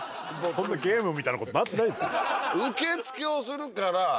そんなゲームみたいな事なってないですよ。